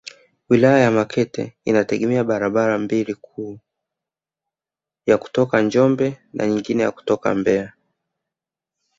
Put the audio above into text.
Wilaya ya Makete inategemea barabara mbili kuu ya kutoka Njombe na nyingine kutoka Mbeya